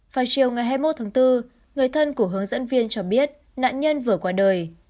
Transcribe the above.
vào chiều ngày hai mươi một tháng bốn người thân của hướng dẫn viên cho biết nạn nhân vừa qua đời